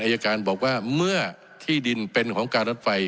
อายการบอกว่าเมื่อที่ดินเป็นของการรถไฟ